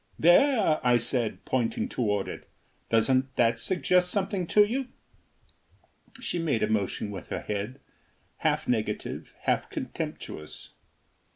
"There," I said, pointing toward it, "doesn't that suggest something to you?" She made a motion with her head half negative, half contemptuous.